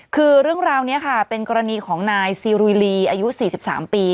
คือเรื่องราวนี้ค่ะเป็นกรณีของนายซีรุยลีอายุ๔๓ปี